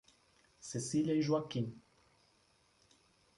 Cecília e Joaquim